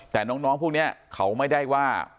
แต่น้องพวกนี้เขาไม่ได้ว่า